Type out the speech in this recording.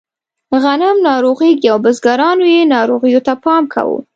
غنم ناروغېږي او بزګرانو یې ناروغیو ته پام کاوه.